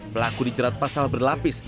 pelaku dicerat pasal berlapis